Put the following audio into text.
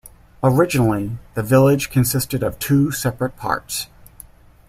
Originally, the village consisted of two separate parts.